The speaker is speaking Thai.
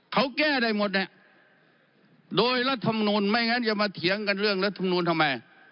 เขาแก้ได้หมดเนี่ยโดยรัฐมนุนไม่งั้นจะมาเถียงกันเรื่องรัฐมนูลทำไม